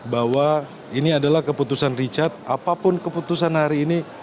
bahwa ini adalah keputusan richard apapun keputusan hari ini